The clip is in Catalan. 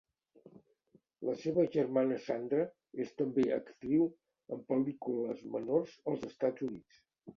La seva germana Sandra és també actriu en pel·lícules menors als Estats Units.